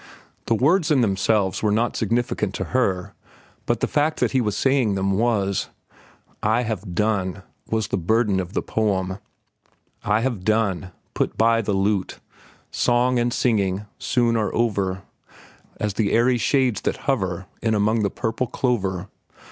The words in themselves were not significant to her, but the fact that he was saying them was. "I have done," was the burden of the poem. "'I have done— Put by the lute. Song and singing soon are over As the airy shades that hover In among the purple clover.